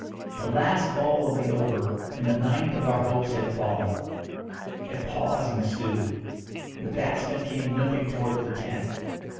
The last ball of the over, and the ninth of our hopes had fallen. A pause ensued. The batsman came limping towards the tent.